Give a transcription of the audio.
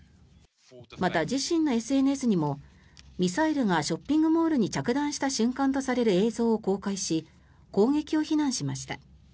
また、自身のＳＮＳにもミサイルがショッピングモールに着弾した瞬間とされる映像を公開し攻撃を非難しました。